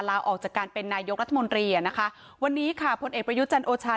ลาออกจากการเป็นนายกรัฐมนตรีอ่ะนะคะวันนี้ค่ะผลเอกประยุจันทร์โอชา